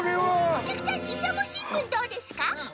おきゃくさんししゃもしんぶんどうですか？